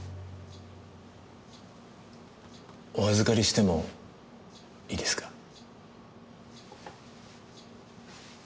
お預かりしてもいいですか？